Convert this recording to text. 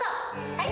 はい。